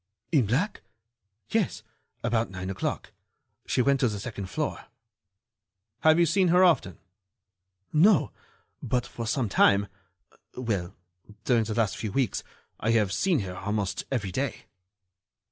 "In black? Yes, about nine o'clock. She went to the second floor." "Have you seen her often?" "No, but for some time—well, during the last few weeks, I have seen her almost every day."